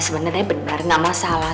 sebenarnya benar nggak masalah